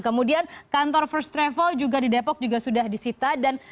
kemudian kantor first travel juga di depok juga sudah disita